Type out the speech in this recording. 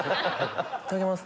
いただきます。